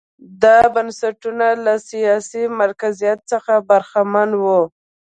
دا بنسټونه له سیاسي مرکزیت څخه برخمن وو.